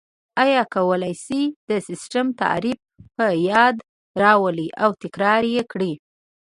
آیا کولای شئ د سیسټم تعریف په یاد راولئ او تکرار یې کړئ؟